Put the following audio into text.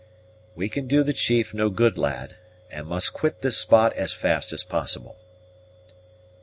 "We can do the chief no good, lad, and must quit this spot as fast as possible."